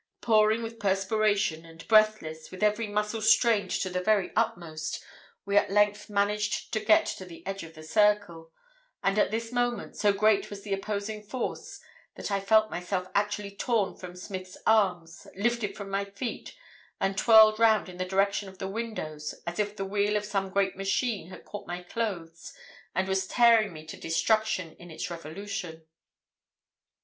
"Pouring with perspiration, and breathless, with every muscle strained to the very utmost, we at length managed to get to the edge of the circle, and at this moment, so great was the opposing force, that I felt myself actually torn from Smith's arms, lifted from my feet, and twirled round in the direction of the windows as if the wheel of some great machine had caught my clothes and was tearing me to destruction in its revolution.